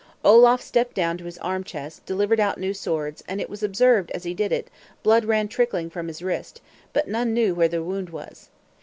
Olaf stept down to his arm chest; delivered out new swords; and it was observed as he did it, blood ran trickling from his wrist; but none knew where the wound was.